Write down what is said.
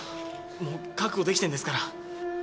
もう覚悟できてんですから。